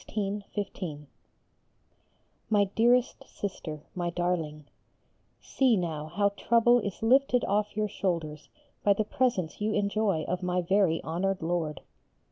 _ MY DEAREST SISTER, MY DARLING, See now how trouble is lifted off your shoulders by the presence you enjoy of my very honoured Lord!